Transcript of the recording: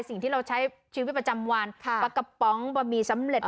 สิ่งที่เราใช้ชีวิตประจำวันปลากระป๋องบะหมี่สำเร็จ